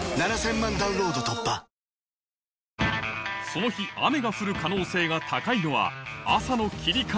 その日雨が降る可能性が高いのは朝の霧か？